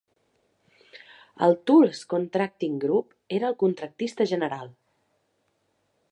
El Tooles Contracting Group era el contractista general.